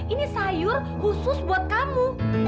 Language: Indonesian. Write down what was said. ini sayur khusus buat kamu